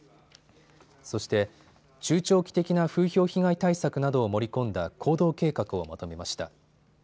そして中長期的な風評被害対策などを盛り込んだ行動計画をまとめました。